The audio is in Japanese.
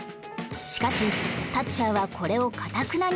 しかしサッチャーはこれをかたくなに拒否